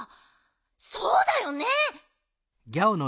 そうだよね。